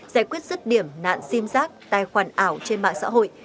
giải quyết sức điểm nạn diêm rác tài khoản ảo trên mạng xã hội